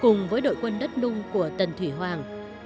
cùng với đội quân đất nung của tần thủy hoàng